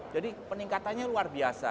jadi peningkatannya luar biasa